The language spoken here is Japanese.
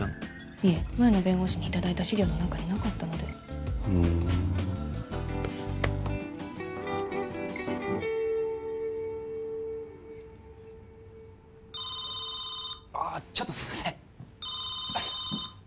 いえ前の弁護士にいただいた資料の中になかったのでふんちょっとすいません